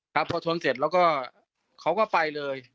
ครับพอชนเสร็จแล้วก็เขาก็ไปเลย